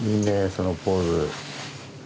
そのポーズ。